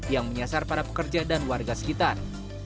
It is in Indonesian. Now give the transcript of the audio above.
yang menyasar para pekerja dan warga sekitar